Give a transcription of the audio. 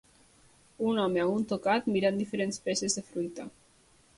Un home amb un tocat mirant diferents peces de fruita.